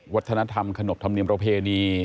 วัฒนธรรมขนบธรรมเนียมประเพณี